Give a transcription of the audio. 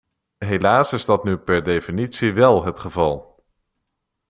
Helaas is dat nu per definitie wel het geval.